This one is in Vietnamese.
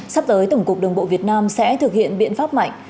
sắp tới tổng cục đường bộ việt nam sẽ thực hiện biện pháp mạnh